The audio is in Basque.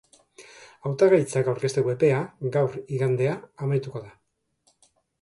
Hautagaitzak aurkezteko epea gaur, igandea, amaituko da.